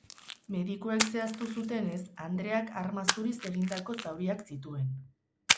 Medikuek zehaztu zutenez, andreak arma zuriz egindako zauriak zituen.